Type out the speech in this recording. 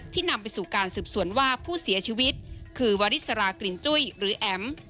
นำไปสู่การสืบสวนว่าผู้เสียชีวิตคือวาริสรากลิ่นจุ้ยหรือแอ๋ม